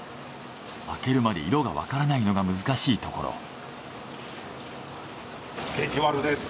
開けるまで色がわからないのが難しいところ。